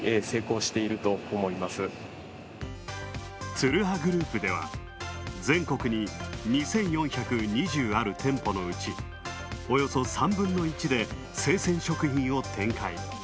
ツルハグループでは全国に２４２０ある店舗のうち、およそ３分の１で生鮮食品を展開。